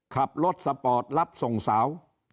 ขับรถสปอร์ตรับส่งสาว